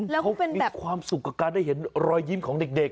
แล้วเขาเป็นแบบความสุขกับการได้เห็นรอยยิ้มของเด็ก